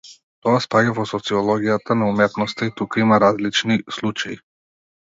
Тоа спаѓа во социологијата на уметноста и тука има различни случаи.